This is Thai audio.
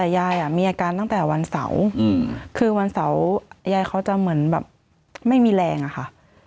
ยายเค้าจะเหมือนแบบไม่มีแรงอะค่ะ